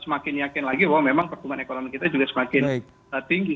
semakin yakin lagi bahwa memang pertumbuhan ekonomi kita juga semakin tinggi